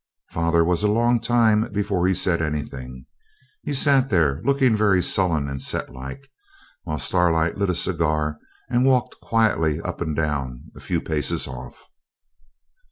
Father was a long time before he said anything. He sat there, looking very sullen and set like, while Starlight lit a cigar and walked quietly up and down a few paces off.